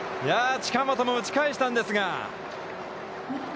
近本も打ち返したんですが。